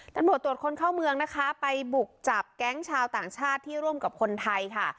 ตำรวจตรวจคนเข้าเมืองนะคะไปบุกจับแก๊งชาวต่างชาติที่ร่วมกับคนไทยค่ะ